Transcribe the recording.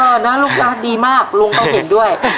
นะลูกร้านดีมากลุงต้องเห็นด้วย